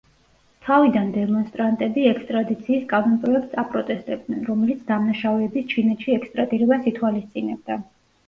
თავიდან დემონსტრანტები ექსტრადიციის კანონპროექტს აპროტესტებდნენ, რომელიც დამნაშავეების ჩინეთში ექსტრადირებას ითვალისწინებდა.